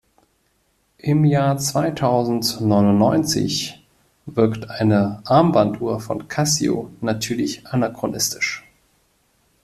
Im Jahr zweitausendneunundneunzig wirkt eine Armbanduhr von Casio natürlich anachronistisch.